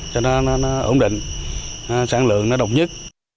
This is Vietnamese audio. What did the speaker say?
cho nó ổn định sản lượng nó độc nhất